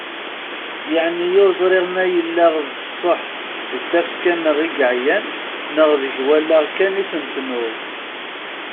Yeɛni ur ẓriɣ ma yella d sseḥ d tafekka-nneɣ i yeɛyan neɣ deg wallaɣ kan itent-nuɣ.